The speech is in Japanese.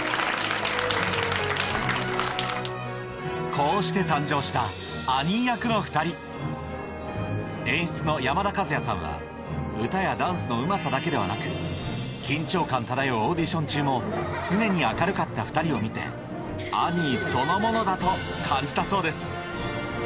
こうして誕生したアニー役の２人演出の山田和也さんは歌やダンスのうまさだけではなく緊張感漂うオーディション中も常に明るかった２人を見てアニーそのものだと感じたそうです